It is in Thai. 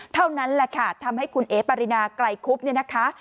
เท่านั้นแหละค่ะทำให้คุณเอ๋ปรินาไกลคุบเนี่ยนะคะ